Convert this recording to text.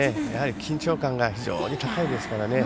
緊張感が非常に高いですからね。